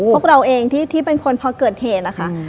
พวกเราเองที่เป็นคนพอเกิดเหตุนะคะ